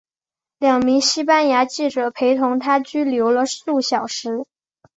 两名西班牙记者陪同她拘留了数小时。